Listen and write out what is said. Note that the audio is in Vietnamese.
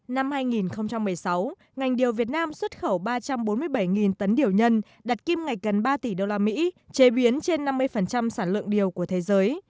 năm hai nghìn một mươi sáu ngành điều việt nam xuất khẩu ba trăm bốn mươi bảy tấn điều nhân đặt kim ngạch gần ba tỷ usd chế biến trên năm mươi sản lượng điều của thế giới